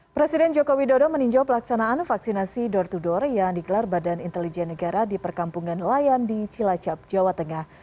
presiden joko widodo meninjau pelaksanaan vaksinasi door to door yang digelar badan intelijen negara di perkampungan layan di cilacap jawa tengah